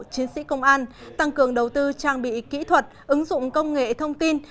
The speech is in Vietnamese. chiến sĩ công an tăng cường đầu tư trang bị kỹ thuật ứng dụng công nghệ thông tin